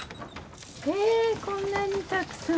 こんなにたくさん。